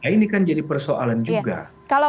ini kan jadi persoalan juga